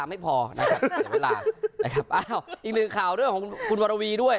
ไม่พอนะครับเสียเวลานะครับอ้าวอีกหนึ่งข่าวเรื่องของคุณวรวีด้วย